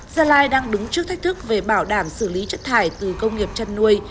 gia lai đang đứng trước thách thức về bảo đảm xử lý chất thải từ công nghiệp chăn nuôi